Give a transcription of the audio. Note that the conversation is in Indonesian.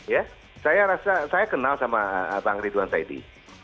ya saya rasa saya kenal sama bang ridwan saidi